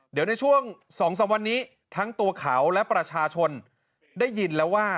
เดี๋ยวในช่วง๒๓วันนี้ทั้งตัวเขาและประชาชนได้ยินแล้วว่า